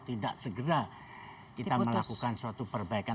tidak segera kita melakukan suatu perbaikan